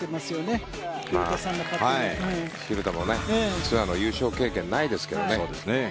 蛭田もツアーの優勝経験ないですけどね。